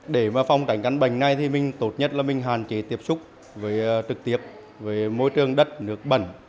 để phong tránh căn bệnh này tốt nhất là mình hàn chế tiếp xúc trực tiếp với môi trường đất nước bẩn